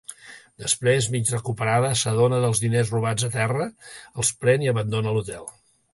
Després, mig recuperada, s'adona dels diners robats a terra, els pren i abandona l'hotel.